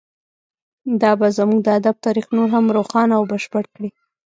دا به زموږ د ادب تاریخ نور هم روښانه او بشپړ کړي